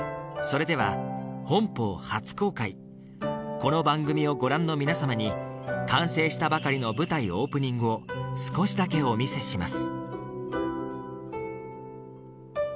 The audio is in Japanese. この番組をご覧の皆様に完成したばかりの舞台オープニングを少しだけお見せします